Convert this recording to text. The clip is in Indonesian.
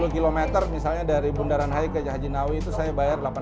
sepuluh kilometer misalnya dari bundaran hai ke jahajinawi itu saya bayar delapan lima ratus